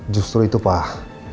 justru itu pak